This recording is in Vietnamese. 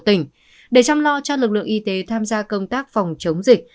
tỉnh để chăm lo cho lực lượng y tế tham gia công tác phòng chống dịch